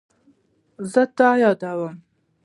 زه تا یادوم